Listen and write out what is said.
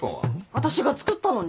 私が作ったのに。